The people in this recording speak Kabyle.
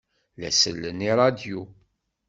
La sellen i ṛṛadyu.